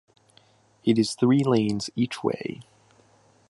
It is three lanes each way.